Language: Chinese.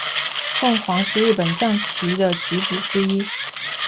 凤凰是日本将棋的棋子之一。